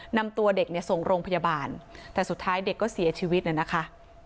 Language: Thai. นำตัวเด็กเนี่ยส่งโรงพยาบาลแต่สุดท้ายเด็กก็เสียชีวิตน่ะนะคะ